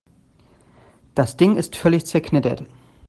Das Ding ist völlig zerknittert.